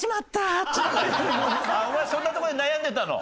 お前そんなとこで悩んでたの？